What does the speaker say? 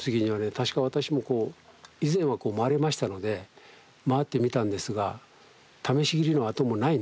確か私もこう以前は回れましたので回ってみたんですが試し切りの痕もないんですね。